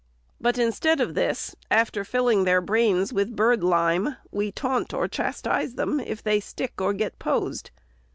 But, instead of this, after filling their brains with bird lime, we taunt or chastise them if they stick or get posed.